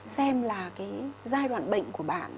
xem là giai đoạn bệnh của bạn